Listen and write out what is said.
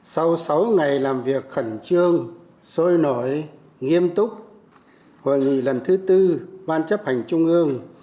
sau sáu ngày làm việc khẩn trương sôi nổi nghiêm túc hội nghị lần thứ tư ban chấp hành trung ương